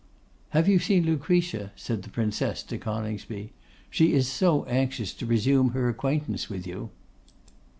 'Have you seen Lucretia?' said the Princess to Coningsby. 'She is so anxious to resume her acquaintance with you.